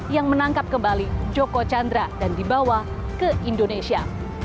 yang menangkap kembali joko chandra dan dibawa ke indonesia